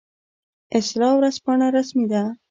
اصلاح ورځپاڼه رسمي ده